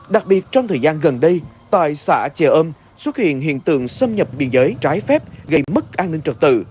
đặc biệt trong thời gian gần đây tại xã trà âm xuất hiện hiện tượng xâm nhập biên giới trái phép gây mất an ninh trật tự